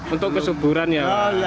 untuk kesuburan ya